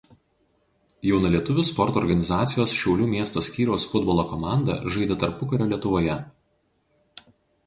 Jaunalietuvių sporto organizacijos Šiaulių miesto skyriaus futbolo komanda žaidė tarpukario Lietuvoje.